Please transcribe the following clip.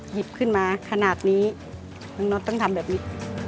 หยิบขึ้นมาขนาดนี้น้องน็อตต้องทำแบบนี้